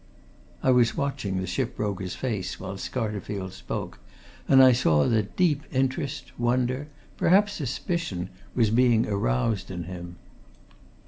I was watching the ship broker's face while Scarterfield spoke, and I saw that deep interest, wonder, perhaps suspicion was being aroused in him.